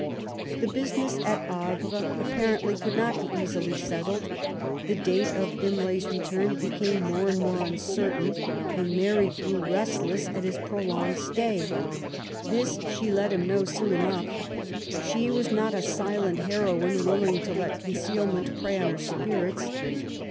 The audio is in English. The business at Havre apparently could not be easily settled. The date of Imlay's return became more and more uncertain, and Mary grew restless at his prolonged stay. This she let him know soon enough. She was not a silent heroine willing to let concealment prey on her spirits.